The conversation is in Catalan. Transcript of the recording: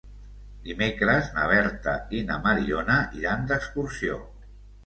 Dimecres na Berta i na Mariona iran d'excursió.